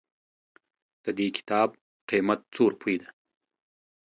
ددي کتاب قيمت څو روپئ ده